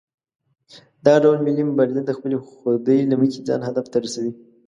دغه ډول ملي مبارزین د خپلې خودۍ له مخې ځان هدف ته رسوي.